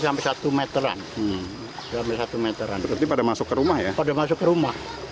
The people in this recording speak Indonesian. masuk ke rumah